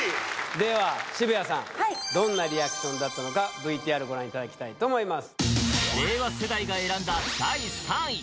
では渋谷さんどんなリアクションだったのかＶＴＲご覧いただきたいと思います